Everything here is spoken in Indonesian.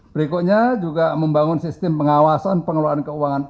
berikutnya juga membangun sistem pengawasan pengelolaan keuangan